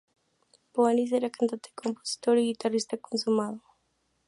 Phoenix era cantante, compositor y un guitarrista consumado.